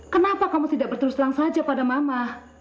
kenapa kamu tidak berterus terang saja pada mama